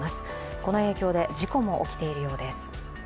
この影響で事故も起きているようです。